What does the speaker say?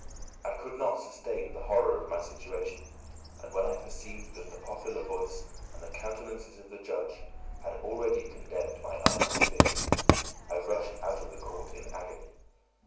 I could not sustain the horror of my situation, and when I perceived that the popular voice and the countenances of the judges had already condemned my unhappy victim, I rushed out of the court in agony.